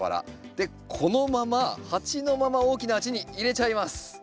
でこのまま鉢のまま大きな鉢に入れちゃいます。